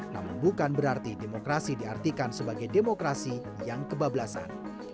namun bukan berarti demokrasi diartikan sebagai demokrasi yang kebablasan